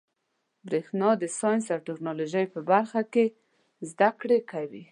برېښنا د ساینس او ټيکنالوجۍ په برخه کي زده کړي کوي.